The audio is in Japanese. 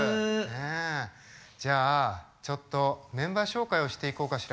じゃあちょっとメンバー紹介をしていこうかしら。